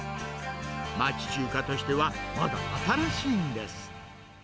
町中華としては、まだ新しいんです。